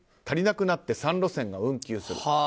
足りなくなって３路線が運休する。